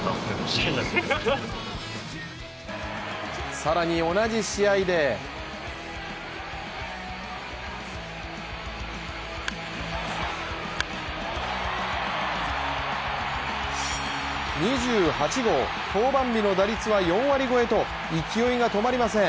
更に、同じ試合で２８号、登板日の打率は４割超えと勢いが止まりません。